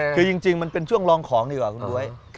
คือจริงมันเป็นช่วงลองของดีกว่าคุณบ๊วย